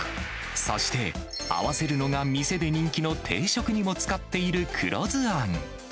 そして、合わせるのが店で人気の定食にも使っている黒酢あん。